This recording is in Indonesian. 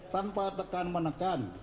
tanpa tekan menekan